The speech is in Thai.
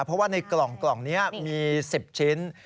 เพราะว่าในกล่องนี้มี๑๐ชิ้น